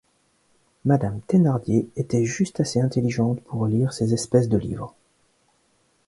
Madame Thénardier était juste assez intelligente pour lire ces espèces de livres.